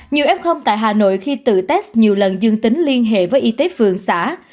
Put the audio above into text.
nhiều f tại hà nội khi tự test nhiều lần dương tính liên hệ với y tế phường xã